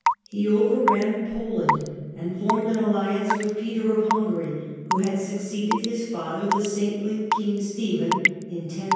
He overran Poland and formed an alliance with Peter of Hungary, who had succeeded his father, the saintly King Stephen, in 1038.